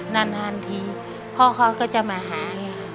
นั่นทันทีพ่อเขาก็จะมาหา